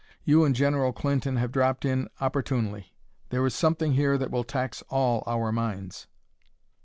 "You and General Clinton have dropped in opportunely. There is something here that will tax all our minds."